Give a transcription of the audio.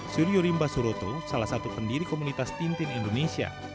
suryo rimba suroto salah satu pendiri komunitas tintin indonesia